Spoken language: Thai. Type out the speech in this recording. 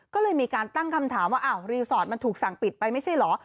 ก็เลยมีการตั้งคำถามว่าอ้าวรีสอร์ทมันถูกสั่งปิดไปไม่ใช่เหรอ